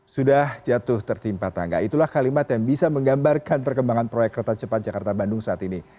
sudah jatuh tertimpa tangga itulah kalimat yang bisa menggambarkan perkembangan proyek kereta cepat jakarta bandung saat ini